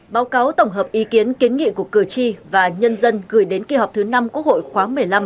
báo cáo tổng hợp ý kiến kiến nghị của cử tri và nhân dân gửi đến kỳ họp thứ năm quốc hội khóa một mươi năm